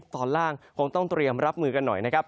ตอนล่างคงต้องเตรียมรับมือกันหน่อยนะครับ